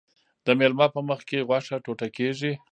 د میلمه په مخکې غوښه ټوټه کیږي.